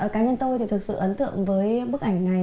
cá nhân tôi thì thực sự ấn tượng với bức ảnh này